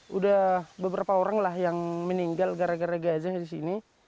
sudah beberapa orang lah yang meninggal gara gara gajah di sini